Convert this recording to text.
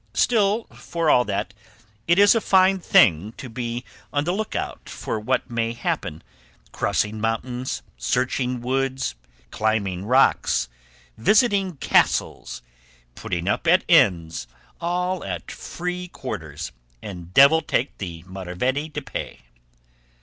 Still, for all that, it is a fine thing to be on the look out for what may happen, crossing mountains, searching woods, climbing rocks, visiting castles, putting up at inns, all at free quarters, and devil take the maravedi to pay."